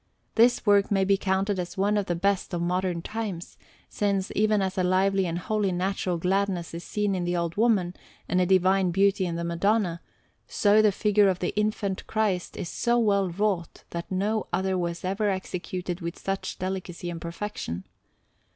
This work may be counted as one of the best of modern times, since, even as a lively and wholly natural gladness is seen in the old woman, and a divine beauty in the Madonna, so the figure of the Infant Christ is so well wrought, that no other was ever executed with such delicacy and perfection.